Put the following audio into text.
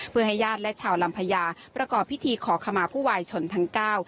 เพื่อให้ญาติและชาวลำพญาประกอบพิธีขอขมาผู้วายชนทั้งเก้า